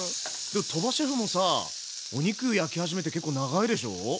でも鳥羽シェフもさお肉焼き始めて結構長いでしょ？